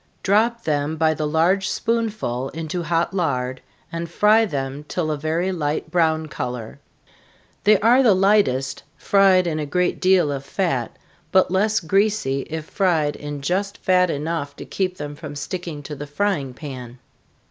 Drop them by the large spoonful into hot lard, and fry them till a very light brown color. They are the lightest fried in a great deal of fat, but less greasy if fried in just fat enough to keep them from sticking to the frying pan.